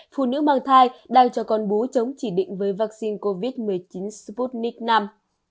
phụ nữ mang thai đang cho con bú chống chỉ định với vaccine covid một mươi chín sputnik v